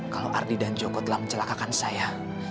kalau ardi dan joko telah mencelakakan saya